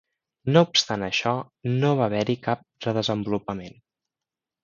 No obstant això, no va haver-hi cap re-desenvolupament.